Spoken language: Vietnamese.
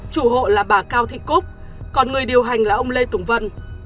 chủ hộ là bà cao thị cúc còn người điều hành là ông lê tùng vân